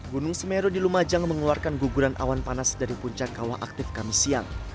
gunung semeru di lumajang mengeluarkan guguran awan panas dari puncak kawah aktif kami siang